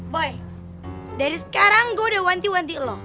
boy dari sekarang gua udah wanti wanti lu